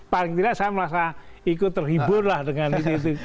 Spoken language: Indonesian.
paling tidak saya merasa ikut terhibur lah dengan ini